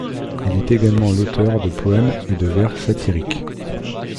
Il est également l'auteur de poèmes et de vers satiriques.